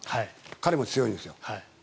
彼も強いんですよ。